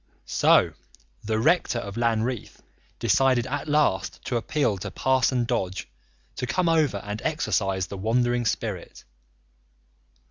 So the rector of Lanreath decided at last to appeal to Parson Dodge to come over and exorcise the wandering spirit.